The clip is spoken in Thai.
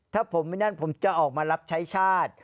ถ้าผมไม่นั่นผมจะออกมารับใช้ชาติ